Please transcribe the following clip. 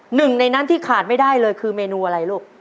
หนึ่งในนั้นที่ขาดไม่ได้เลยคือเมนูอะไรลูก